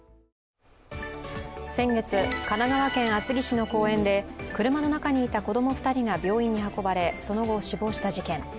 先月、神奈川県厚木市の公園で車の中にいた子供２人が病院に運ばれその後死亡した事件。